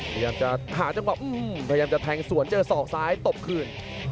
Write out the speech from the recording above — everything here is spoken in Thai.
พยายามจะหาจังหวะพยายามจะแทงสวนเจอศอกซ้ายตบคืน